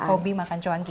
hobi makan cuan ki